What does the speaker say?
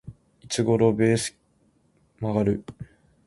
いつ頃ベース曲がる？